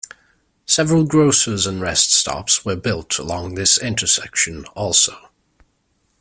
Several grocers and rest stops were built along this intersection, also.